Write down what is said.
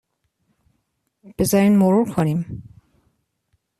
بذارین مرور کنیم.